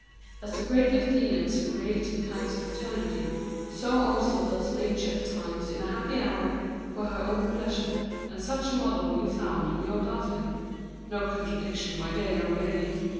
As the great Athenians created types for eternity, so also does Nature at times in a happy hour, for her own pleasure, and such a model you found in our Daphne. No contradiction, my dear young lady!